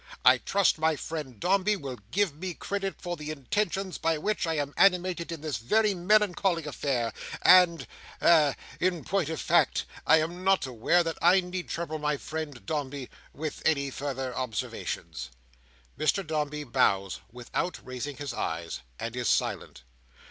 I trust my friend Dombey will give me credit for the intentions by which I am animated in this very melancholy affair, and—a—in point of fact, I am not aware that I need trouble my friend Dombey with any further observations." Mr Dombey bows, without raising his eyes, and is silent.